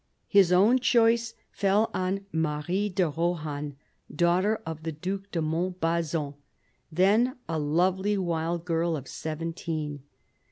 His own choice fell on Marie de Rohan, daughter of the Due de Montbazon, then a lovely wild girl of seventeen.